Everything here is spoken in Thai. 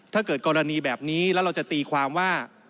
ถ้าเกิดกรณีแบบนี้แล้วเราจะตีความว่า